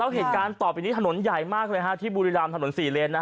เหตุการณ์ต่อไปนี้ถนนใหญ่มากเลยที่บุรีรำถนน๔เลน